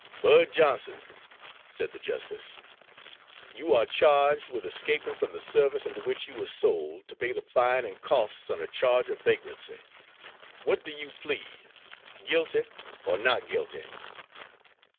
"Bud Johnson," said the justice, "you are charged with escaping from the service into which you were sold to pay the fine and costs on a charge of vagrancy. What do you plead guilty or not guilty?"